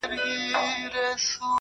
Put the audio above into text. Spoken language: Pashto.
دا ستا چي گراني ستا تصوير په خوب وويني,